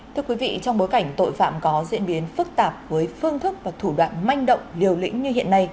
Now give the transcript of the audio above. thưa quý vị trong bối cảnh tội phạm có diễn biến phức tạp với phương thức và thủ đoạn manh động liều lĩnh như hiện nay